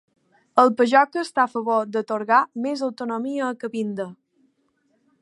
El Pajoca està a favor d'atorgar més autonomia a Cabinda.